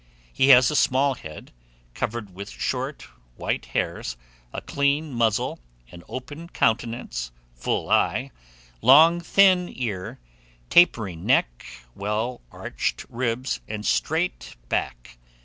He has a small head, covered with short white hairs, a clean muzzle, an open countenance, full eye, long thin ear, tapering neck, well arched ribs, and straight back.